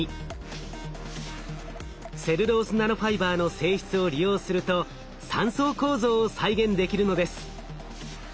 セルロースナノファイバーの性質を利用すると三層構造を再現できるのです。